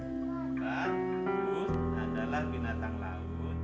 bapak bu anda lah binatang laut